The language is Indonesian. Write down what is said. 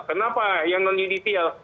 kenapa yang non judisial